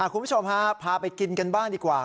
คุณผู้ชมฮะพาไปกินกันบ้างดีกว่า